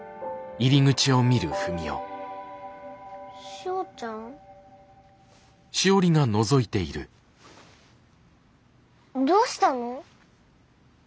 しおちゃん？どうしたの？